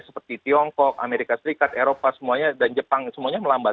seperti tiongkok amerika serikat eropa semuanya dan jepang semuanya melambat